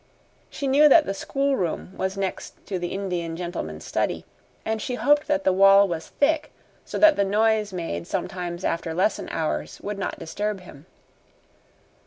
She knew that the schoolroom was next to the Indian gentleman's study, and she hoped that the wall was thick so that the noise made sometimes after lesson hours would not disturb him.